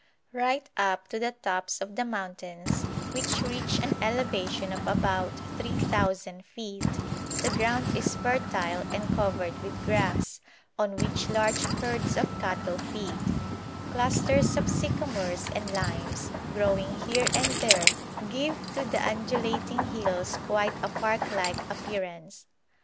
Right up to the tops of the mountains, which reach an elevation of about 3,000 feet, the ground is fertile and covered with grass, on which large herds of cattle feed; clusters of sycamores and limes growing here and there give to the undulating hills quite a park like appearance.